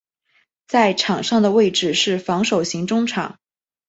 在场上的位置是防守型中场。